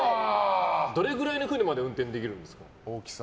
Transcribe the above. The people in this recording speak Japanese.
どれぐらいの船まで運転できるんですか。